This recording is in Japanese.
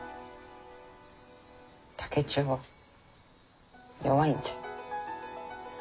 竹千代は弱いんじゃ。